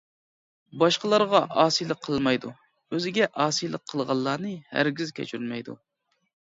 باشقىلارغا ئاسىيلىق قىلمايدۇ، ئۆزىگە ئاسىيلىق قىلغانلارنى ھەرگىز كەچۈرمەيدۇ.